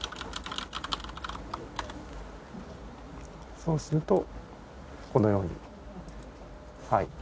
そうするとこのようにはい。